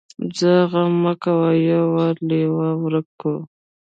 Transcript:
ځه غم مه کوه يو وار لېوه ورک کو.